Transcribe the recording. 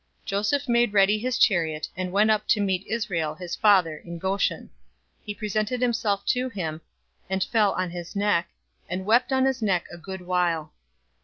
046:029 Joseph made ready his chariot, and went up to meet Israel, his father, in Goshen. He presented himself to him, and fell on his neck, and wept on his neck a good while.